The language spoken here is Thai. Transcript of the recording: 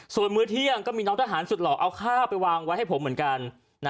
ส่วนมื้อเที่ยงก็มีน้องทหารสุดหล่อเอาข้าวไปวางไว้ให้ผมเหมือนกัน